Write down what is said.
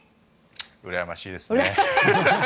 うらやましいですね。